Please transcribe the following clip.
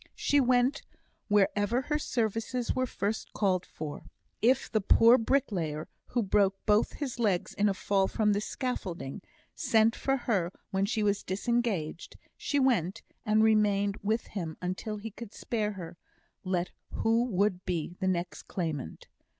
She went wherever her services were first called for. If the poor bricklayer, who broke both his legs in a fall from the scaffolding, sent for her when she was disengaged, she went and remained with him until he could spare her, let who would be the next claimant.